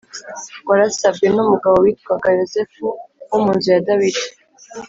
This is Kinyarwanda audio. Warasabwe n umugabo witwaga yozefu wo mu nzu ya dawidi